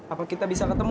apa kita bisa ketemu